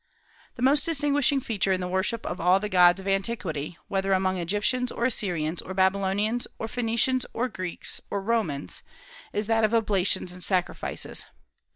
The most distinguishing feature in the worship of all the gods of antiquity, whether among Egyptians, or Assyrians, or Babylonians, or Phoenicians, or Greeks, or Romans, is that of oblations and sacrifices.